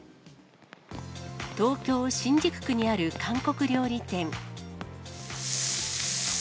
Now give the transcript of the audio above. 東京・新宿区にある韓国料理店。